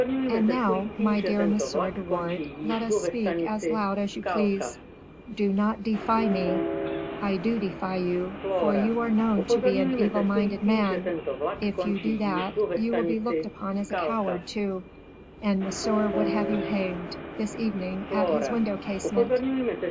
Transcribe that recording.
"And now, my dear Monsieur de Wardes, let us speak as loud as you please." "Do not defy me." "I do defy you, for you are known to be an evil minded man; if you do that, you will be looked upon as a coward, too; and Monsieur would have you hanged, this evening, at his window casement.